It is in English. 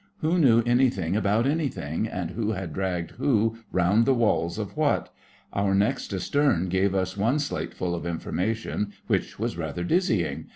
Who knew anything about anything; and who had dragged who round the walls of what? Our next astern gave us one slateful of information which was rather dizzying.